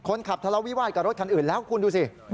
ทะเลาวิวาสกับรถคันอื่นแล้วคุณดูสิ